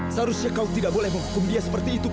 seharusnya kau tidak boleh menghukum dia seperti itu